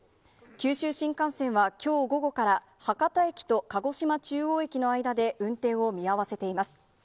九州新幹線はきょう午後から、博多駅と鹿児島中央駅の間で運転を見合わせています。